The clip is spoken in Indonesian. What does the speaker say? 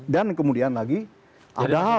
dan kemudian lagi ada hal ini